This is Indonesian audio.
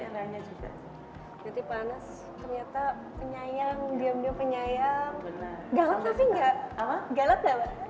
menurut saya gak galap